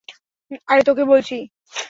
আরে, তোকে বলছি।